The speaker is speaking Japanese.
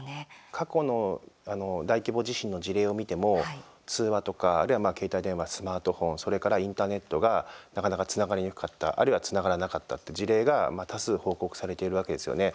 過去の、あの大規模地震の事例を見ても通話とか、あるいは携帯電話スマートフォン、それからインターネットが、なかなかつながりにくかった、あるいはつながらなかったって事例が多数報告されているわけですよね。